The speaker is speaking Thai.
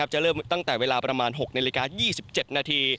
จะเริ่มตั้งแต่เวลาประมาณ๖นาฬิกา๒๗นาที